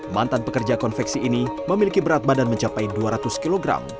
mantan pekerja konveksi ini memiliki berat badan mencapai dua ratus kg